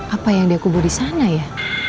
apa yang dia kubur disana ya